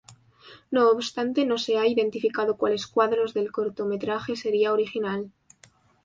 No obstante, no se ha identificado cuáles cuadros del cortometraje sería original.